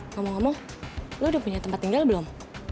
ngomong ngomong lo udah punya tempat tinggal belum